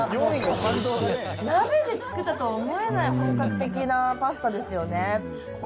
鍋で作ったと思えない、本格的なパスタですよね。